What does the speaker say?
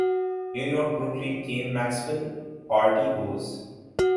new York Brooklyn کے Maxwell آرڈی was